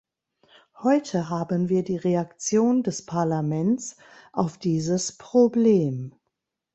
Heute haben wir die Reaktion des Parlaments auf dieses Problem.